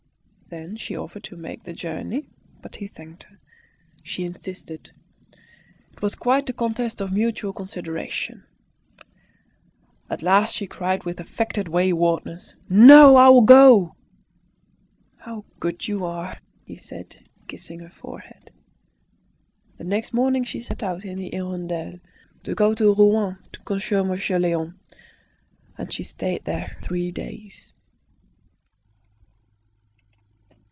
Then she offered to make the journey, but he thanked her. She insisted. It was quite a contest of mutual consideration. At last she cried with affected waywardness "No, I will go!" "How good you are!" he said, kissing her forehead. The next morning she set out in the "Hirondelle" to go to Rouen to consult Monsieur Léon, and she stayed there three days.